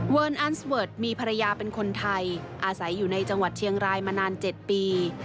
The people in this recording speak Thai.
อันสเวิร์ดมีภรรยาเป็นคนไทยอาศัยอยู่ในจังหวัดเชียงรายมานาน๗ปี